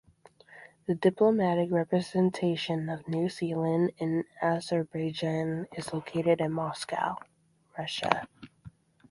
The diplomatic representation of New Zealand in Azerbaijan is located in Moscow (Russia).